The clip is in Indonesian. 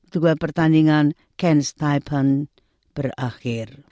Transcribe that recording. dua pertandingan cairns typhoon berakhir